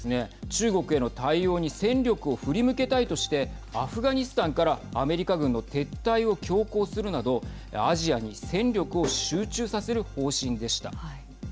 中国への対応に戦力を振り向けたいとしてアフガニスタンからアメリカ軍の撤退を強行するなどアジアに戦力を集中させる方針でした。